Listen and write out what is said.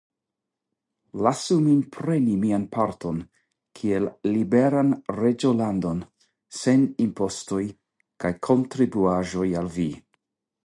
Lasu min preni mian parton kiel liberan reĝolandon, sen impostoj kaj kontribuaĵoj al vi.